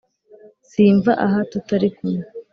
simva aha tutari kumwe